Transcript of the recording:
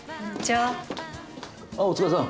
ああお疲れさん。